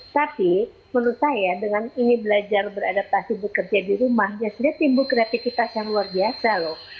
tapi menurut saya dengan ini belajar beradaptasi bekerja di rumah ya sudah timbul kreativitas yang luar biasa loh